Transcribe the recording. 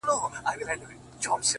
مړ به سم مړى به مي ورك سي گراني “